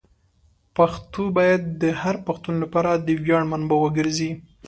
پښتو باید د هر پښتون لپاره د ویاړ منبع وګرځي.